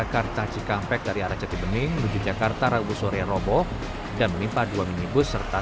kartajikampek dari aracati bening menuju jakarta rabu sore roboh dan menimpa dua minibus serta